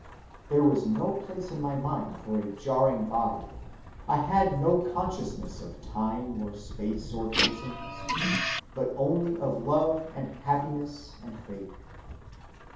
There was no place in my mind for a jarring body. I had no consciousness of time or space or persons; but only of love and happiness and faith.